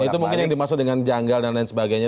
itu mungkin yang dimaksud dengan janggal dan lain sebagainya